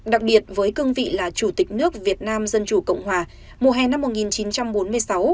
đặc biệt với cương vị là chủ tịch nước việt nam dân chủ cộng hòa mùa hè năm một nghìn chín trăm bốn mươi sáu